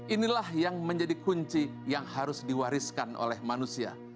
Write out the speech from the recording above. inilah yang menjadi kunci yang harus diwariskan oleh manusia